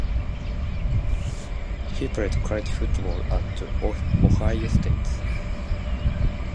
He played college football at Ohio State.